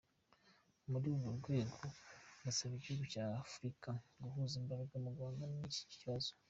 Muri urwo rwego, ndasaba ibihugu bya Afurika guhuza imbaraga mu guhangana n’icyo kibazo.